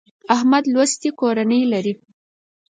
احمد لوستې کورنۍ لري.